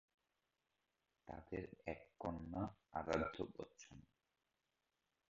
তাদের এক কন্যা, আরাধ্য বচ্চন।